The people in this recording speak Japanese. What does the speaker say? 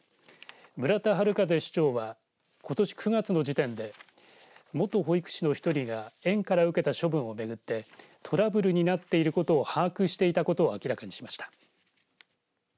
村田悠市長はことし９月の時点で元保育士の１人が園から受けた処分を巡ってトラブルになっていることを把握していたことを明らかにしました。